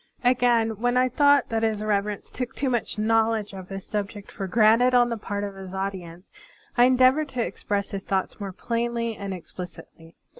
Again, when I thought that His Reverence took too much knowledge of his subject for granted on the part of his audi ence, I endeavored to express his thoughts more plainly and explicitly.